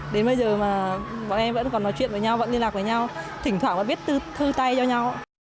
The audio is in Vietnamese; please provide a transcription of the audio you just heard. đến bây giờ mà bọn em vẫn còn nói chuyện với nhau vẫn liên lạc với nhau thỉnh thoảng và biết thư tay cho nhau